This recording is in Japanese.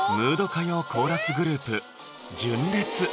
歌謡コーラスグループ「純烈」